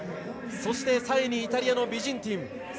そして、３位にイタリアのビジンティン。